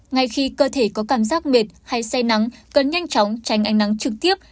ngay khi cơ thể có cảm giác mệt hay say nắng cần nhanh chóng tránh ánh nắng trực tiếp